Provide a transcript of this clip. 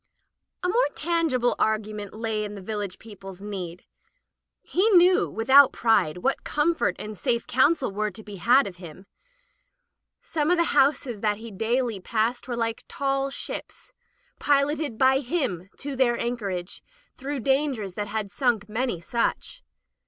A more tangible argument lay in the vil lage people's need. He knew, without pride, what comfort and safe counsel were to be had of him. Some of the houses that he daily passed were like tall ships piloted by him to their anchorage through dangers that had sunk many such.